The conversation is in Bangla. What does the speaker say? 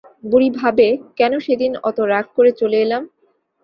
বুড়ি ভাবে, কেন সেদিন অত রাগ করে চলে এলাম?